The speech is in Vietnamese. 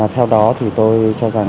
theo đó thì tôi cho rằng